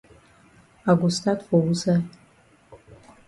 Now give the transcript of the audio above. I go stat for wusaid?